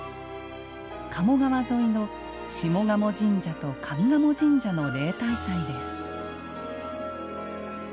鴨川沿いの下鴨神社と上賀茂神社の例大祭です。